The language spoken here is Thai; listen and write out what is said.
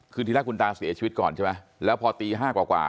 คือทีละคุณตาเสียชีวิตก่อนใช่ไหมแล้วพอตีห้ากว่ากว่า